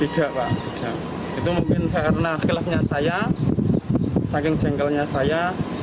tidak pak itu mungkin karena akilahnya saya saking jengkelnya saya